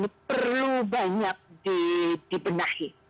ini perlu banyak dibenahi